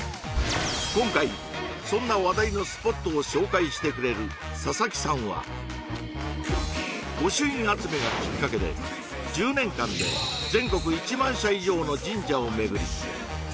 今回そんな話題のスポットを紹介してくれる佐々木さんは御朱印集めがきっかけで１０年間で全国１万社以上の神社を巡り